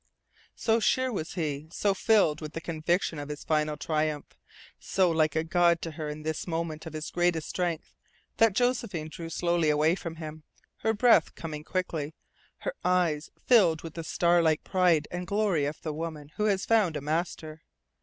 So sure was he, so filled with the conviction of his final triumph, so like a god to her in this moment of his greatest strength, that Josephine drew slowly away from him, her breath coming quickly, her eyes filled with the star like pride and glory of the Woman who has found a Master.